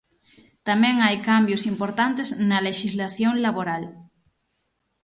Tamén hai cambios importantes na lexislación laboral.